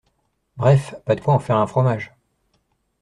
Bref, pas de quoi en faire un fromage.